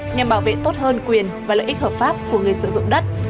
nhằm bảo vệ tốt hơn quyền và lợi ích hợp pháp của người sử dụng đất